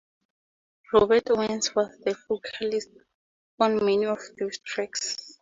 Robert Owens was the vocalist on many of those tracks.